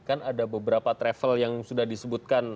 kan ada beberapa travel yang sudah disebutkan